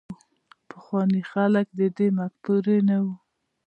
پخواني خلک د دې مفکورې نه وو.